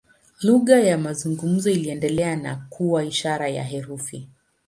Lugha ya mazungumzo iliendelea na kuwa ishara na herufi.